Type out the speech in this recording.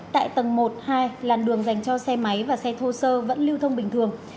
tại tầng một hai làn đường dành cho xe máy và xe thô sơ vẫn lưu thông bình thường